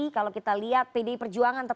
kalau kita lihat pdi perjuangan